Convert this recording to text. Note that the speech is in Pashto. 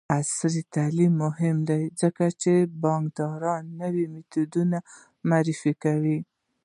عصري تعلیم مهم دی ځکه چې د بانکدارۍ نوې میتودونه معرفي کوي.